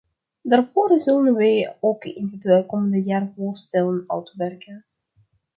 Daarvoor zullen wij ook in het komende jaar voorstellen uitwerken.